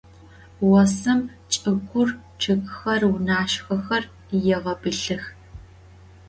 Vosım çç'ıgur, ççıgxer, vunaşshexer yêğebılhıx.